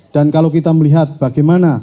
dan kalau kita melihat bagaimana